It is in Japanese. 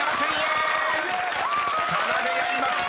［かなでやりました］